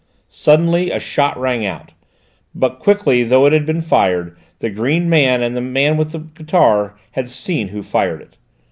Suddenly a shot rang out, but quickly though it had been fired, the green man and the man with the guitar had seen who fired it.